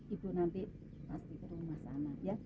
ibu nanti pasti ke rumah sana